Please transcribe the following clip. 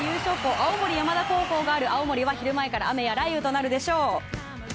青森山田高校がある青森は昼前から雨や雷雨となるでしょう。